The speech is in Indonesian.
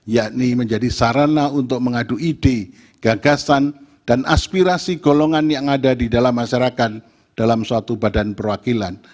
yakni menjadi sarana untuk mengadu ide gagasan dan aspirasi golongan yang ada di dalam masyarakat dalam suatu badan perwakilan